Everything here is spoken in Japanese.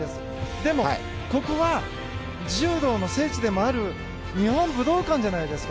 でも、ここは柔道の聖地でもある日本武道館じゃないですか。